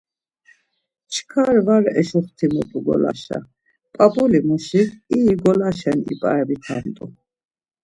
Çkar va eşuxtimut̆u golaşa, p̌ap̌ulimuşik iri golaşen ip̌aramitamtu.